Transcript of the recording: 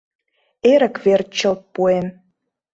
Эрык верч чылт пуэм